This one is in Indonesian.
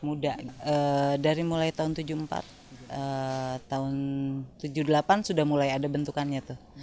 muda dari mulai tahun seribu sembilan ratus tujuh puluh empat tahun seribu sembilan ratus tujuh puluh delapan sudah mulai ada bentukannya tuh